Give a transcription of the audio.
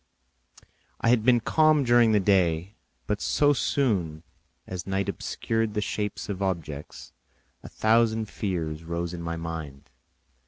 I had been calm during the day, but so soon as night obscured the shapes of objects, a thousand fears arose in my mind.